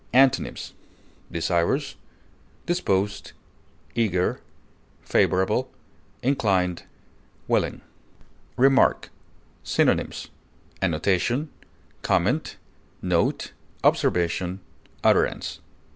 Antonyms: desirous, disposed, eager, favorable, inclined, willing. REMARK. Synonyms: annotation, comment, note, observation, utterance.